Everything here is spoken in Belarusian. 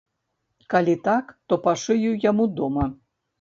Калі так, то пашыю яму дома.